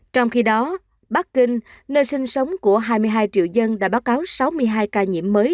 trong khi đó bắc kinh nơi sinh sống của hai mươi hai triệu dân đã báo cáo sáu mươi hai ca nhiễm mới